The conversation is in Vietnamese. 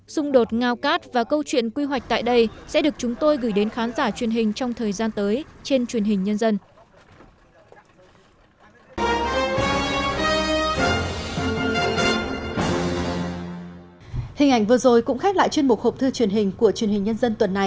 xung đột ngao cát và câu chuyện quy hoạch tại đây sẽ được chúng tôi gửi đến khán giả truyền hình trong thời gian tới trên truyền hình nhân dân